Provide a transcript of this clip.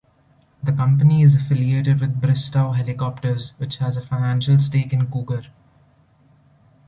The company is affiliated with Bristow Helicopters which has a financial stake in Cougar.